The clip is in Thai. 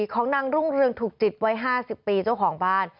ของนางรุ่งเรืองถูกจิตวัย๕๐ปีเจ้าของบ้าน